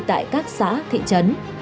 tại các xã thị trấn